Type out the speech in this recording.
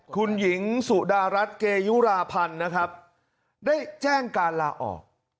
คุณหญิงสุดารัฐเกยุราพันธ์นะครับได้แจ้งการลาออก